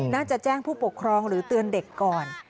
น่าจะแจ้งผู้ปกครองหรือเตือนเด็กก่อน